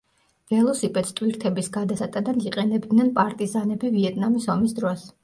ველოსიპედს ტვირთების გადასატანად იყენებდნენ პარტიზანები ვიეტნამის ომის დროს.